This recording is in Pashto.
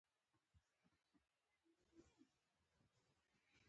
ونې بربنډې وې او پاڼې یې نه لرلې.